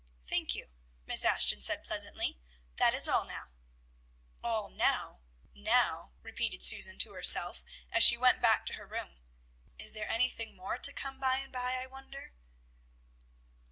"Thank you," Miss Ashton said pleasantly. "That is all now." "All now, now," repeated Susan to herself, as she went back to her room. "Is there anything more to come by and by I wonder?"